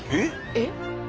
えっ？